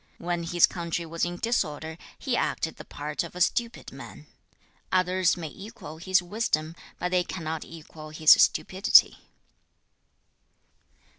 When his country was in disorder, he acted the part of a stupid man. Others may equal his wisdom, but they cannot equal his stupidity.'